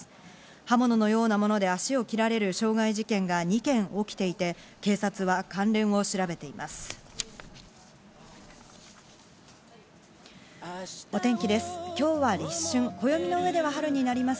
刃物のようなもので足を切られる傷害事件が２件起きていて、警察は関連を調べています。